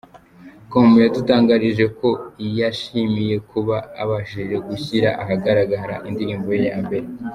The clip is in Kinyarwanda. com, yadutangarije ko yishimiye kuba abashije gushyira ahagaragara indirimbo ye ya mbere.